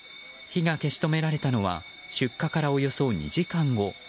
火が消し止められたのは出火から、およそ２時間後。